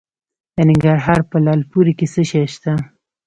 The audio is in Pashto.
د ننګرهار په لعل پورې کې څه شی شته؟